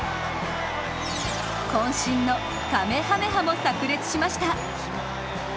こん身のかめはめ波もさく裂しました。